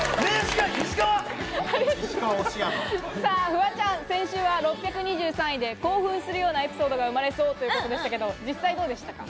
フワちゃん、先週は６２３位で、興奮するようなエピソードが生まれそうということでしたけど、実際どうでしたか？